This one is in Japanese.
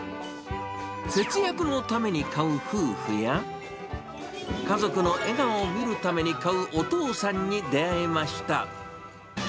節約のために買う夫婦や、家族の笑顔を見るために買うお父さんに出会いました。